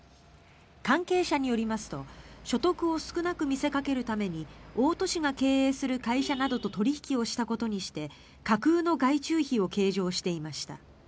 関係者によりますと所得を少なく見せかけるために大戸氏が経営する会社などと取引をしたことにして架空の外注費を計上していました。